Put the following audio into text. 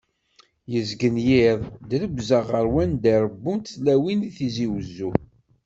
Yezgen yiḍ drebzeɣ ɣer wanda i d-rebbunt tlawin di Tizi Wezzu.